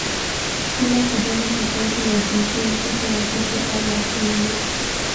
Bila kujali tofauti za jinsia mtoto wa kike au wa kiume